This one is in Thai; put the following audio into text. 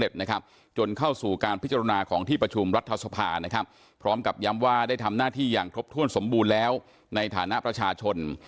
ได้ทำหน้าที่อย่างทบทวนสมบูรณ์แล้วในฐานะประชาชน